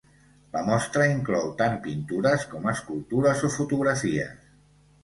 La mostra inclou tant pintures, com escultures o fotografies.